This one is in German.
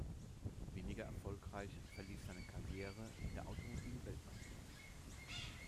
Weniger erfolgreich verlief seine Karriere in der Automobil-Weltmeisterschaft.